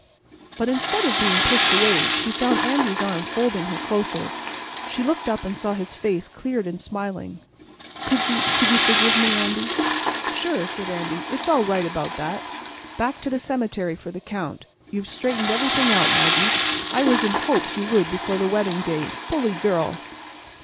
But instead of being pushed away, she found Andy's arm folding her closer. She looked up and saw his face cleared and smiling. "Could you—could you forgive me, Andy?" "Sure," said Andy. "It's all right about that. Back to the cemetery for the Count. You've straightened everything out, Maggie. I was in hopes you would before the wedding day. Bully girl!"